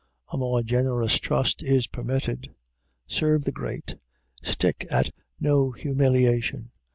A more generous trust is permitted. Serve the great. Stick at no humiliation.